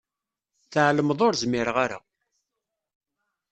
Tɛelmeḍ ur zmireɣ ara.